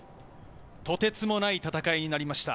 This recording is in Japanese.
とてつもない戦いになりました。